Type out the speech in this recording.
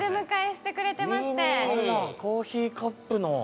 コーヒーカップの。